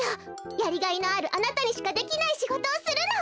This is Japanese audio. やりがいのあるあなたにしかできないしごとをするの！